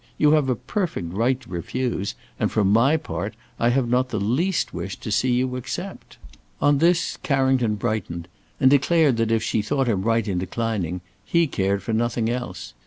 You have a perfect right to refuse, and, for my part, I have not the least wish to see you accept." On this, Carrington brightened, and declared that if she thought him right in declining, he cared for nothing else.